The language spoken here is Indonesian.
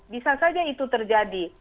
bisa saja itu terjadi